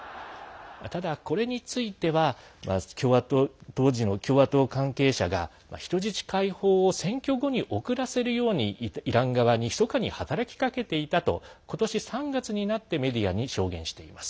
ただ、これについては当時の共和党関係者が人質解放を選挙後に遅らせるようイラン側にひそかに働きかけていたと今年３月になってメディアに証言しています。